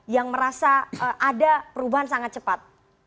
yang merasa ada perubahan sangat cepat